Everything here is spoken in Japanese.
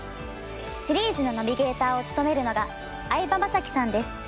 シリーズのナビゲーターを務めるのが相葉雅紀さんです。